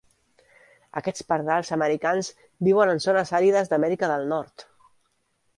Aquests pardals americans viuen en zones àrides d'Amèrica del Nord.